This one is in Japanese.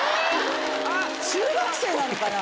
中学生なのかな？